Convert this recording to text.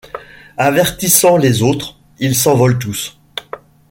Avertissant les autres, ils s’envolent tous.